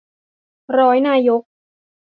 ร้อยนายก